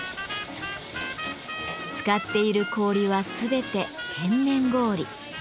使っている氷は全て天然氷。